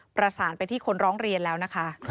ประสานไปที่คนร้องเรียนแล้วนะคะ